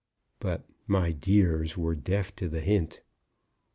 But "my dears" were deaf to the hint.